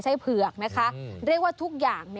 เผือกนะคะเรียกว่าทุกอย่าง